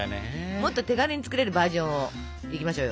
もっと手軽に作れるバージョンをいきましょうよ！